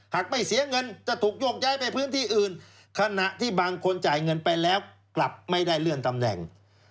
หากไม่เสียเงินจะถูกโยกย้ายไปพื้นที่อื่นขณะที่บางคนจ่ายเงินไปแล้วกลับไม่ได้เลื่อนตำแหน่ง